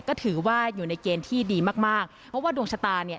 ก็ถือว่าอยู่ในเกณฑ์ที่ดีมากมากเพราะว่าดวงชะตาเนี่ย